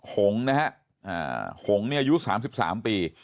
หงนะฮะหงเนี่ยอายุ๓๓ปี